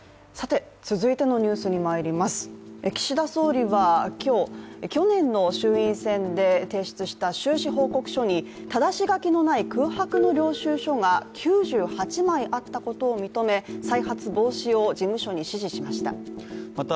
岸田総理は今日去年の衆院選で提出した収支報告書にただし書きのない空白の領収書が９８枚あったことを認め、再発防止を事務所に指示しました。